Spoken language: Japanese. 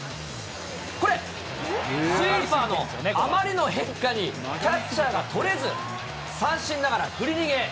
これ、スイーパーのあまりの変化にキャッチャーが取れず、三振ながら振り逃げ。